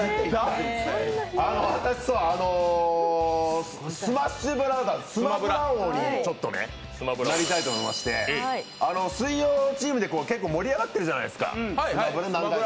私、「スマッシュブラザーズ」スマブラ王になりたいと思いまして水曜チームって結構盛り上がってるじゃないですか、「スマブラ」